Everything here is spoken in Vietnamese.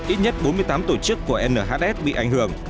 ít nhất bốn mươi tám tổ chức của nhs bị ảnh hưởng